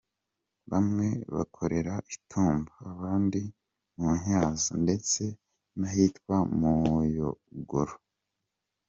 Bamwe bakorera i Tumba, abandi mu Matyazo ndetse n’ahitwa mu Muyogoro.